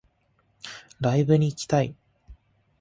ライブに行きたい